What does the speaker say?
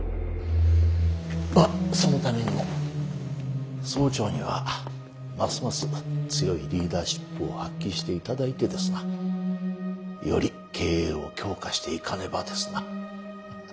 まあそのためにも総長にはますます強いリーダーシップを発揮していただいてですなより経営を強化していかねばですな。